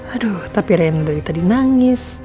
aduh tapi reno dari tadi nangis